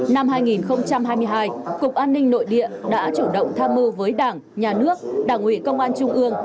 năm hai nghìn hai mươi hai cục an ninh nội địa đã chủ động tham mưu với đảng nhà nước đảng ủy công an trung ương